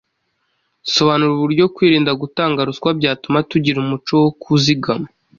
Sobanura uburyo kwirinda gutanga ruswa byatuma tugira umuco wo kuzigama